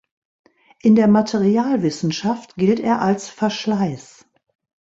In der Materialwissenschaft gilt er als Verschleiß.